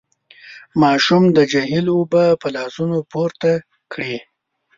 ماشوم د جهيل اوبه په لاسونو پورته کړې.